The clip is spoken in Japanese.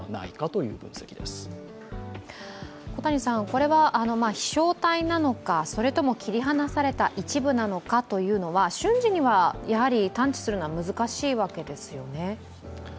これは飛翔体なのかそれとも切り離された一部なのかというのは瞬時には探知するのは難しいわけですよね？